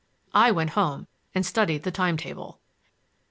I went home and studied the time table.